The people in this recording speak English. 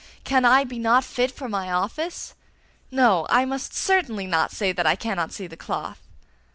Can I be not fit for my office? No, I must certainly not say that I cannot see the cloth!